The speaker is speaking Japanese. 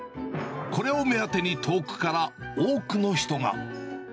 これを目当てに遠くから多くの人が。